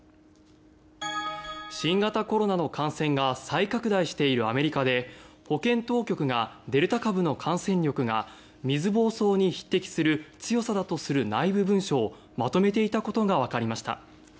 新型コロナの感染が再拡大しているアメリカで保健当局がデルタ株の感染力が水ぼうそうに匹敵する強さだとする内部文書をまとめていたことがわかりました。